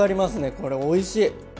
これおいしい！